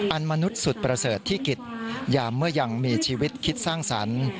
มนุษย์สุดประเสริฐที่กิจยามเมื่อยังมีชีวิตคิดสร้างสรรค์